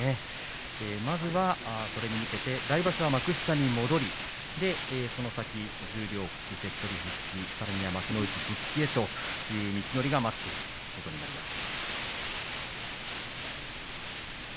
まずはそれに向けて来場所は幕下に戻りその先に十両復帰、関取復帰さらには幕内復帰へという道のりが待っているということになります。